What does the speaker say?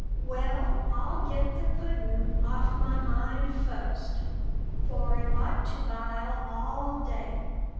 "Well, I'll get the puddin' off my mind fust, for it ought to bile all day.